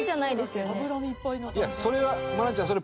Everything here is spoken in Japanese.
いやそれは愛菜ちゃんそれ。